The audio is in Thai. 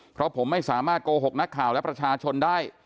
เพราะผมไม่สามารถโกหกนักข่าวและประชาชนได้